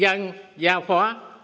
dân gia phó